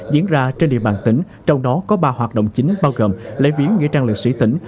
diễn ra trên địa bàn tỉnh trong đó có ba hoạt động chính bao gồm lễ viếng nghĩa trang liệt sĩ tỉnh